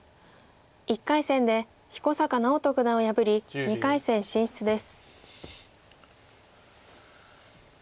１回戦で彦坂直人九段を破り２回戦進出です。